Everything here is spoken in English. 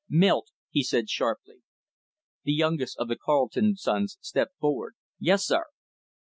"Milt," he said sharply. The youngest of the Carleton sons stepped forward. "Yes, sir."